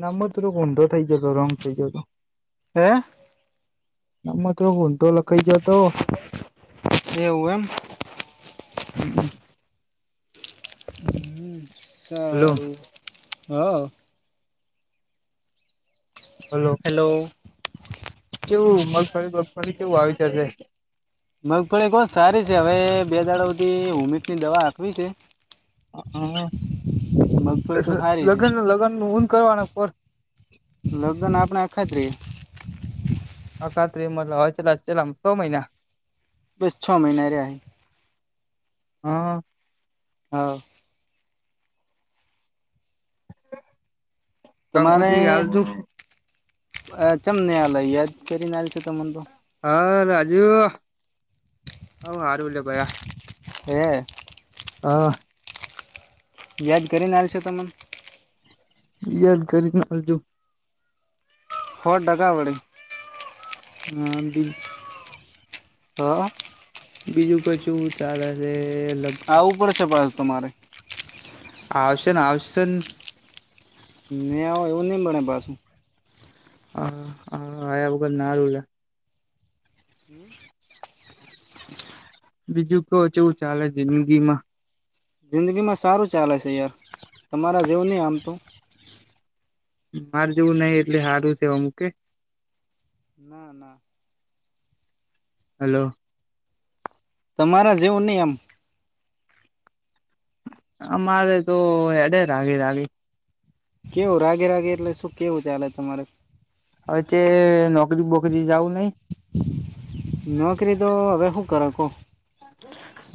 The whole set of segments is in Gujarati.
નામ થોડો ગઊંધો થઈ જતો રંગ થઈ જતો- હે. આમાં તો ઊંધો લખાઈ ગીયો તો. એવુ એમ. હમ હમ [unintelligible] હ હલો સારું હ- હલો હેલો કેવું મગફળી મગફળી કેવું આવી જશે- મગફળી કો સારી છે હવે બે દાડાથી હોમસ ની દવા આખવી છે- મગફળી હ તો સારી છે લગન લગ્ન નું ઊન કરવાના પર- લગદન આપણે આખાત્રી- અખત્રી મલા હોય છેલ્લામાં છેલ્લામાં છ મહિના બસ છ મહિનાય રેયા એ- હા હા- તમારે કંકોત્રી હાલજુ ચમનેવાલય યાદ કરીને છે તને તો- હા રાજુ હ હારું બલ્યા ભાઈયા- હે હા વ્યાજ કરીને હાલશો તને- વ્યાજ કરીને‌ હાલજો- હોટ ડગાવળી- હ બીજુ - હ- બીજું કચું ચાલે છે. લગ આવું પડશે પાસુ તમારે- આવશે ને આવશેન- ને આવ એવું નહીમ બને પાછું- હ હા આયા વગરલ નાલા- બીજું તો કેવું ચાલે જિંદગી માં- જિંદગી માં સારું ચાલે છે યાર તમારા જેવું નહી આમ તો- માર જેવું નઈ એટલે સારું છે એવુ કે- ના ના [inaudible] હલો- તમારા જેવું નહી એમ- આ મારે તો એડે રાાગી રાગી? કેવું રાગે રાગે એટલે શું કેવું ચ્યાલે તમારે- હવે તે નોકરી બોકરી જવું નઈ? નકરી તો હવે શું કર કો?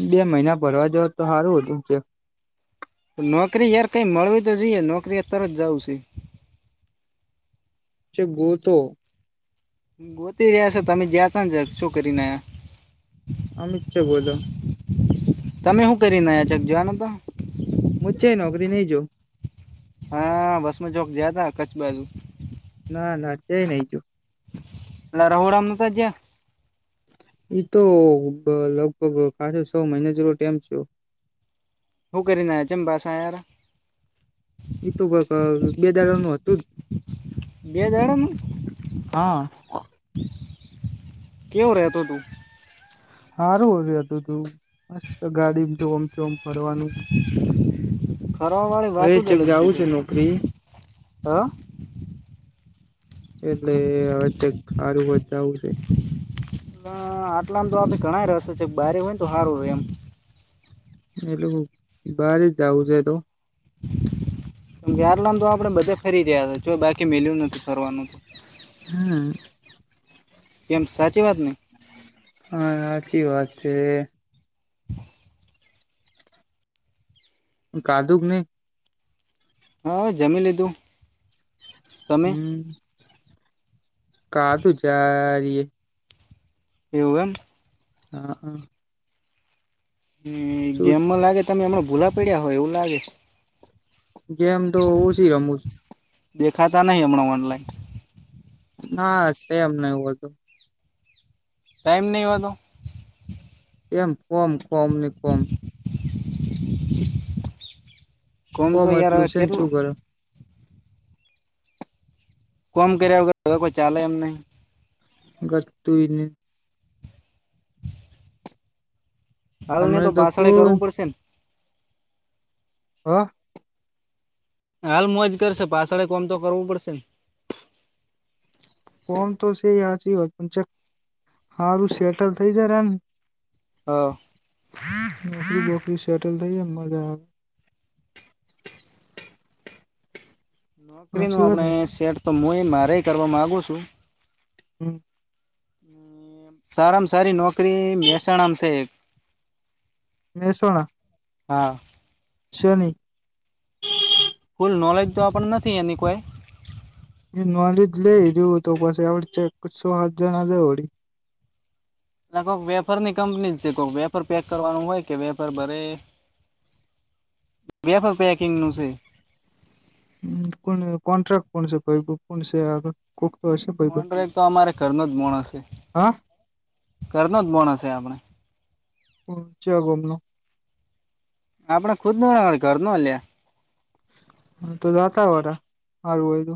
બે મહિના ભરવા જાવ તો સારું હતું છે. નોકરી યાર કઈ મળવી તો જઈએ નોકરી યાર તરત જાવું છે. ગ તો- ગોતી રહ્યા છો તમે જયા ત ને જ શું કરીનેયા- અમિત છે બોલો- તમે શું કરી નાયા ચક જોવાનો તો- મુું છે નોકરી નઈ જો- હા બસમાં જોક જયા ત કચ્છ બાજુ ના ના તે નઈ જો- એટ રોડમને તો જે- તો લગભગ ખચો છ મહિના જેલો ટેમ છે. હું કરી આયા ચેમા પાછા આયા એ તો બેદારનુંું હતું જ, બે જાડ ન હા કેવો રતો તું- સારું હતું તું મસ્ત ગાડી ઓમથી ઓમ ફરવાનું- ફર વાળી વાત હવે જ ચેક અલગ છે જવું કઈ નોકરી હ- એટલે હવે સારું જવું છે. હ આટલામ તો આપડે ઘણાાય રસ્ છે બારે હોય ને તો સારું રે એમ એટ લોકો બારે જ જઉું છે તો [inaudible] ગ્યારલામ તો આપડે બધા ફરી રહ્યા હતા જો બાકી મેિલ્યું નથી ફરવાનું તો હા કેમ સાચી વાત નેહ હા સાચી વાત છે. કાદુક નને હા જામી લધું. હમ કાધું ચારી એ એવમ, હા હા હ શું ગેમમાં લાગે તમે હમણાં ભૂલા પડ્યા હોય એવું લાગે ગમ તો ઓછી રમુ દેખાતા નહીં હમણાં ઓનલાઈન, હા એમને એવું હતું. ટાઈમ નહી વાવા તો એમ કોમ કોમ ને કોમ કોમ તો યાર હ એટલું છે ને શું કેટલોું કરે કોમ કર્યા વગર કોઈ ચાલે એમ નહી. ઘતુંને હાલને હમને તો બાસળે કોણ કરવું પડશે ને હા હાલ મોજ કરશે પાછળે કોમ તો કરવું પડશે ને ફોન તો સ હચી વાત પણ ચ હારું સેટલ થઈ જાય ર એમ હા નોકરીોકરી સેટલ થઈ એમ મજા આવે નોકરી ન સાચી વાત આપણે ને સેટ તો હુંય મારે કરવા માગુ છું. હમ સારામાં સારી નોકરી મહેસાણામ છે. મેસોણા હા શેની ફૂલ નોલેજ તો આપણને નથી એની કોઈ એ નલી જ લઈ જોું તો પાસે આવડ ચ સો સાત જણા જ ઓડી-' એ કોઈક વેપાર ની કંપની છે કોક વેપાર પેક કરવાનું હોય કે વેપાર ભરે બેફર પેકિંગ નું છે. હમ કો કોન્ટ્રાક્ટ કોણસે કો કો છે કો કોટાકતો અમારે ઘરનો જ બણ હશે હા ઘરનો જ બણ હશે આપણે હમ ચીયા ગોમનૈ આપડે ખુદ નવાે ઘર નો હલ્યા હા તો જાતા હોરા હારું હોય તો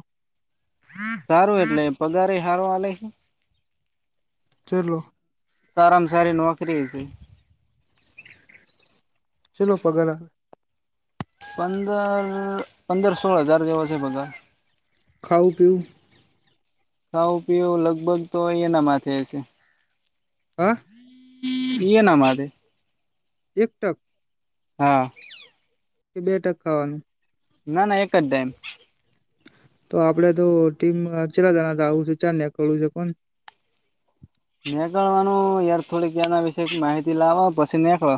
સારું એટલે પગારે સારું વાલે છે. ચેટલા સારામાં સારી નોકરી છે. ચેલો પગાર પંદર પંદર સોળ હજાર જેવો છે બગા ખાઓ પીું' ખાવું પીવું લગભગ તો અ એના માથે છે. હા [unintelligible] એક ટક હા કે બે ટકાવાનું ના ના એક જ ડાઈમ તો આપડે તો ટીમ ચેલાતાના આવું છે ચાર નેકું છે પણ નીકળવાનું યાર થોડીકના વિશેે માહિતી લાવો પછી નીકળો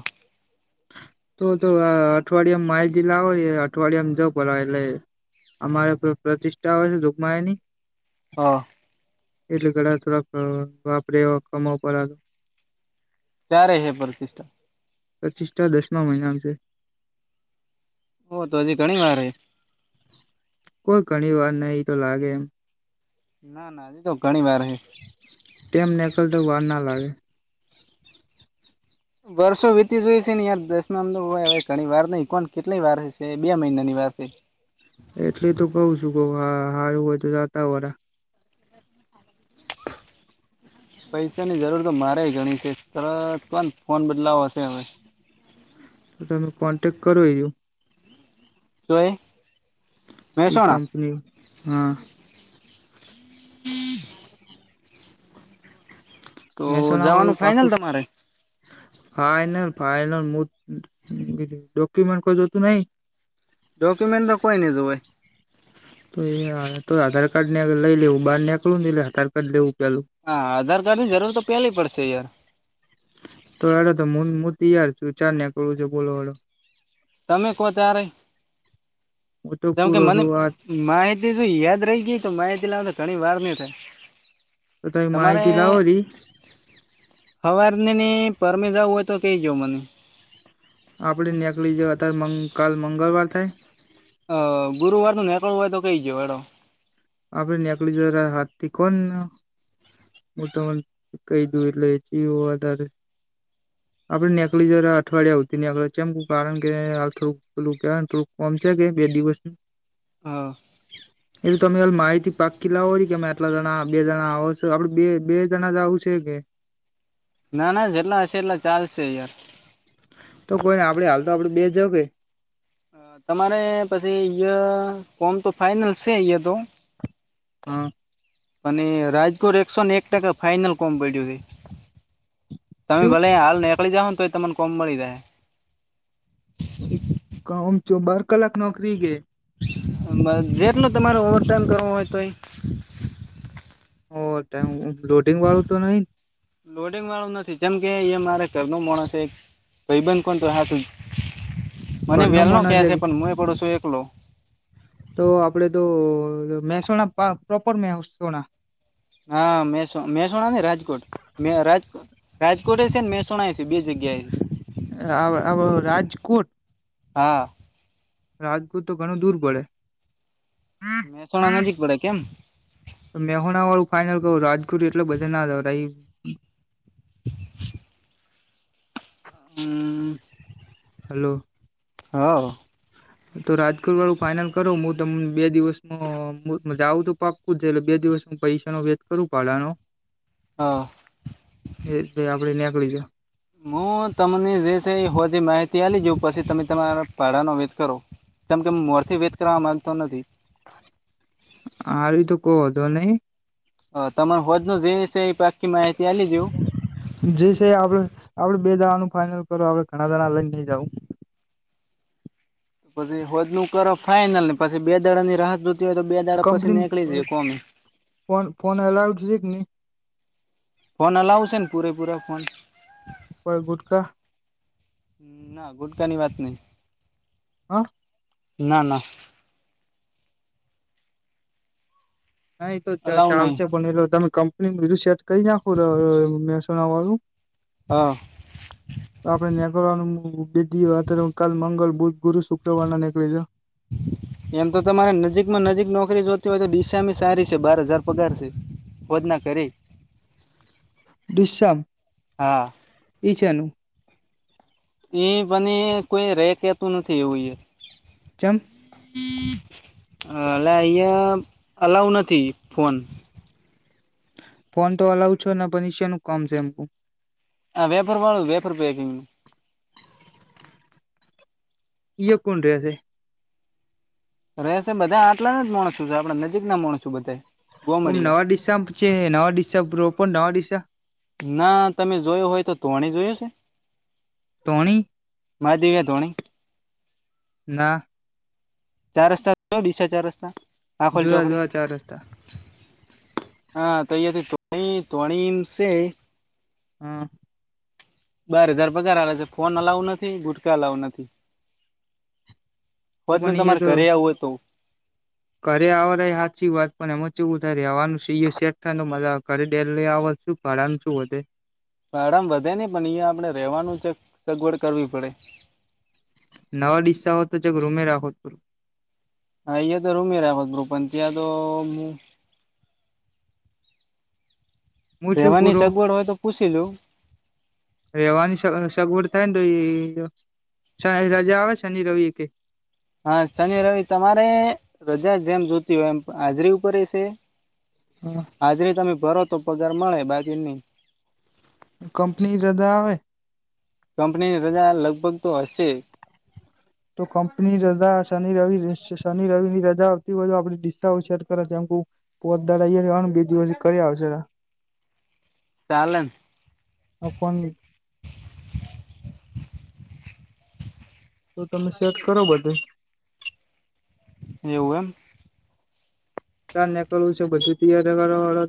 તો તો અઠવાડિયામાં માઇજી લાવો અઠવાડિયામાં જાવ પેલા એટલે અમારે પ્રતિષ્ઠા હોય છે દુગમાય ની હા એટલે ઘડા થોડાક વાપરે એ કમા ઉપર આધાર ક્યારે હે પ્રતિષ્ઠા પ્રચીષ્ઠા દસમા મહિનામાં છે ઓ તો હજી ઘણી વાર હે કોઈ ઘણી વાર નહી તો લાગે એમ ના ના હજી તો ઘણી વાર હે ટેમ નીકલતો વાર ના લાગે. વર્ષો વીતી જોય છે ને યાર દસમા અમ હવે ઘણી વાર નઈ કોણ કેટલી વાર હ છે બે મહિના ની વાર છે એટલે તો કઉ છું કહ હા હારું હોય તો જાતા વાર [inaudible] પૈસા ની જરૂર તો મારે ગણી છે તરત કોન ફોન બદલાવો શે હવે. તો તમે કોન્ટેક્ટ કરો એજો [unintelligible] એ કમ્પની હા તો મહેસાણા જવાનું વાળું ફાઈનલ પાખું તમારે ફાઈનલ ફાઈનલ ડોક્યુમેન્ટ કોઈ જોતું નહી ડોક્યુમેન્ટ તો કોઈને જોવે તો એ તો આધાર કાર્ડ ને લઈ લેવું બહાર નીકળવું ને એલે આધાર કાર્ડ લેવું પેલું હા આધાર કાર્ડ ની જરૂર તો પેલી પડશે યાર તો હેડો તો [unintelligible] હું તીયાર છું ચાર નીકળવુંજો બોલો હેડો તમે કહો ત્યારે હું તો જેમ કે પૂરો મને છું વાત માહિતી જો યાદ રહી ગઈ તો માહિતી લાવતા ઘણી વાર નહ થાય. તો તમે તમારે માહિતી લાવો રી હવારનેની પરમી જવું હોય તો કેય જો મને આપણે નેકળી જ અત્યારે કાલ મંગળવાર થાય અ ગુરુવાર નું નીકળું હોય તો કઈ દયો હેડો આપણે [unintelligible] [unintelligible] એટલે જીવ વધારે [unintelligible] આપડે [unintelligible] જય અઠવાડિયા આવતી નેકલીસ એમ કારણ કે થોડું પેલું કેવા ને થોડું [unintelligible] કે બે દિવસ હા તમે હ માહિતી પાકી લાવો છ કે અમે આટલા જણા બે જણા આવો છ આપડે બે બે જણા જ આવું છે કે ના ના જેટલા હશે એટલા ચાલશે યાર તો કોઈ ને આપડે હાલ તો આપડે બે જ જાાવ કે તમારે પછી ફોમ તો ફાાઈનલ છે હી તો હા અને રાજ એકસો ને એક ટકા ફાઈનલ કોમ પડ્યું છે તમે શું ભલે હાલ [unintelligible] તોય તમન કોમ મળી જાહે કમચો બાર કલાક નોકરી ગે જેટલો તમારે ઓવર ટાઈમ કરવો હોય તો એ ઓવર ટાઈમ લોડિંગ વાળું તો નહી લોડિંગ વાળું નથી જેમ કે એ મારે ઘર ન માણસ એક ભાઈ બંધ કોણ તો હા તું મને ઘરનો વેલ ન ક મોણસ છે પણ હું એ પડો છું એકલો તો આપડે તો મહેસાણા પ્રોપર મહેસણા હા મે મેં સુના ન રાજકોટ મે રાજકોટ રાજકોટ હ છે ને મહેસાણા હ છે બે જગ્યાએ છે. રાજકોટ હા રાજકોૂત તો ઘણું દૂર પડે મહેસાણા નજીક પડે કેમ મેહણા વાળું ફાઈનલ કું રાજકોુટ એટલે બધા ના [unintelligible] હ હલો હા તો રાજકોુર વાળું ફાાઈનલ કરો હું તમને બે દિવસમાં આવં તો પાક એટલે બે દિવસ હું પૈસા નો વેચ કરું પાડડાનો હા એ આપડે નીકળી જ હું તમને જે છે એ હોથી માહિતી આ જોઉં પછી તમે તમારા પાડાનો વેધ કરો કેમ કે મોરથી વેદ કરવા માંગતો નથી આ ર તો ક હ હતો નહી અ તમાર હોજ ન જે એ ક માહિતી આલી જેવું જ છે આપડે આપડે બે દવાનું ફાઈનલ કરો આપડે ઘણા દણા લઈ નઈ જવું. પછી હોદ નું કરો ફાઈઇનલ ને પછી બે દડા ની રાહત જો કંપની ફોન ફોન અલાઉડ છેક નહી ફોન અલાવશે ને પૂરેપૂરા ફોન ઉપ ગુટખા ના ગુટકાની વાત નહ હમ ના ના ના એ તો અલાવ ચાલ નહી છે બનેલો તમે કંપની ન બીધું સેટ કરી નાખો મેસોના વાળું હા. તો આપણે નીકળવાનું બે દ અત્યારે હ કાલ મંગલ બુધ ગુરુ શુક્રવાર ના નીકળી જા હ. એમ તો તમારે નજીક માં નજીક નોકરી જોતી હોય તો ડીસા મા સારી છે બાર હજાર પગાર છે. હોધયા કરી. ડીસા હા ઈ શેનું. એ બને કોઈ રે કેતું નથી એવું એ. ચમ. અ એલા અહીંયા અલાઉ નથી ફોન. -' ફોન તો અલાઉ છો ને પણ એનું કમ સેમ્પુ હા વેપર વાળું વેફર પેકિંગ નું. ય કોણ રેહ છે. રહેશે બધા આટલા ના જ માણસું છે આપડા નજીક ના માણસું બધા. ઓમ ગોમડિયા નવા દિશસા છે નવા દિશા પણ નવા દિશા. ના તમે જોયોું હોય તો તોણી જોયું છે. ટોણી. માજી ગ ધોણી. ના. ચાર રસ્તા ડીસા ચાર રસ્તા આખોલ જોયા ચોકડી. -' જોયા ચાર રસ્તા હા તો થી તણી સ [unintelligible] હા બાર હજાર પગાર આલે છે ફોન અલાઉ નથી ગુટકા અલાઉ નથી. તો હોજ ન પણ એ તમારે તો ઘરે આવું હતું. ઘરે આવય સાચી વાત પણ એમાં ચેવુ થાય રેવાનું સેટ થાય મા ઘરે ડેલી આવ છું. ભાડા શું વધે. ભાડમ વધે નહ પણ અહિયાયા આપડણે રેવાનું છે સગવડ કરવી પડે. નવા ડિસ્સા હો તો જ રૂમે રાખો. હા અહીયા તો રૂમી રાખોત બું પણ ત્યાં તો હું હું શું રહેવાની ગુરુ સગવડ હોય તો પૂછી લઉ રેવાની સગવડ થાય ને તો એ જાહેર રજા આવે શનિ રવિ એકે હા શનિ રવિ તમારે રજા જેમ જોતી હોય એમ હાજરી ઉપરે છે. હા. આજ ની તમે ભરો તો પગાર મળે બાજુની કંપની હૃદા આવે, કંપનીની રજા લગભગ તો હશે. તો કંપની રજા શનિ રવિ શનિ રવિ ની રજા આવતી વધુ આપ દિસ્સા સેટ કરે જે પોત દાર અ બે દિવસ કરી આવશે. ચાલે ન. હ ફોન [unintelligible] તો તમે સેટ કરો બધુ એવું એમ. ચાર નીકળવું છે બધું તૈય કરવા વાળો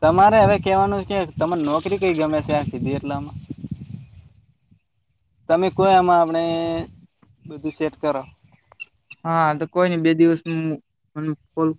તમારે હવે કેવાનું છે તને નોકરી કઈ ગમે છે આ કીધી એટલામાં તમે કો આમાં આપણે બધું સેટ કરો. હા તો કોઈ નઈ બે દિવસ મ ફલ.